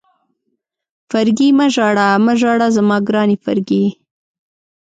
فرګي مه ژاړه، مه ژاړه زما ګرانې فرګي.